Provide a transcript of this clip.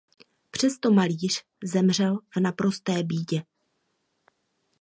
Přesto malíř zemřel v naprosté bídě.